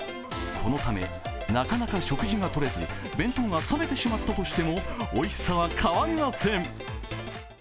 このため、なかなか食事がとれず、弁当が冷めてしまったとしてもおいしさは変わりません。